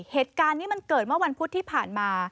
เหตุการณ์นี้มันเกิดเมื่อวันพุธที่ผ่านมา